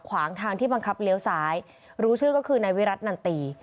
ขวางทางที่บังคับเลี้ยวซ้ายรู้ชื่อก็คือนายวิรัตนันตี